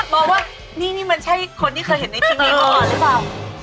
บอกว่านี่นี่มันใช่คนที่เคยเห็นในคลิปนี้มาก่อนหรือเปล่า